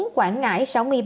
quảng ngãi sáu mươi ba